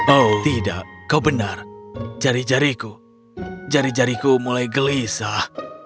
oh tidak kau benar jari jariku jari jariku mulai gelisah